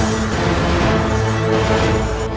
ini mah aneh